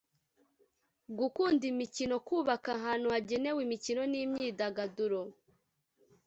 gukunda imikino kubaka ahantu hagenewe imikino n imyidagaduro